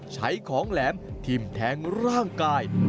ใช้ของแหลมทิมแทงร่างกาย